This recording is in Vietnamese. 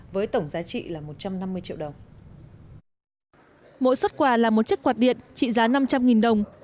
mỗi xuất quà là một chiếc quạt điện trị giá năm trăm linh đồng